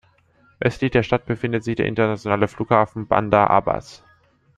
Östlich der Stadt befindet sich der internationale Flughafen Bandar Abbas.